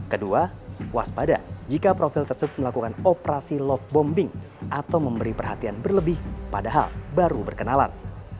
kedua waspada jika profil tersebut melakukan operasi lovebombing atau memberi perhatian berlebih padahal baru berkenalan